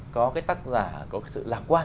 có cái tác giả có cái sự lạc quan